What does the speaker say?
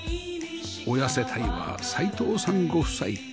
親世帯は齋藤さんご夫妻